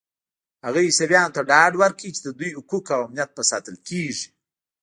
هغه عیسویانو ته ډاډ ورکړ چې د دوی حقوق او امنیت به ساتل کېږي.